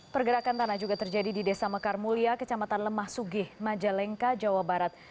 pergerakan tanah juga terjadi di desa mekar mulia kecamatan lemah sugih majalengka jawa barat